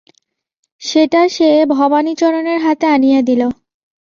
সেটা সে ভবানীচরণের হাতে আনিয়া দিল।